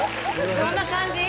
どんな感じ？